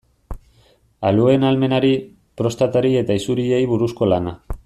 Aluen ahalmenari, prostatari eta isuriei buruzko lana.